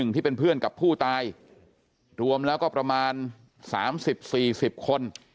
ที่เป็นเพื่อนกับผู้ตายรวมแล้วก็ประมาณ๓๐๔๐คน